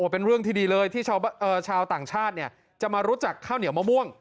เป็นเรื่องที่ดีเลยที่ชาวต่างชาติจะมารู้จักข้าวเหนียวมะม่วง